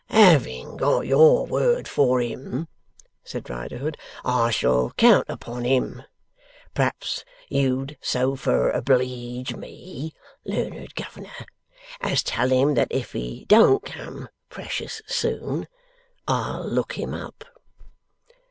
'Having got your word for him,' said Riderhood, 'I shall count upon him. P'raps you'd so fur obleege me, learned governor, as tell him that if he don't come precious soon, I'll look him up.